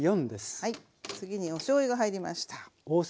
次におしょうゆが入りました。